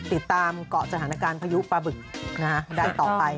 ติดตามเกาะสถานการณ์พยุปบึกได้ต่อไป